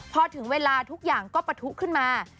พอถึงเวลาทุกอย่างก็ปะทุขึ้นมา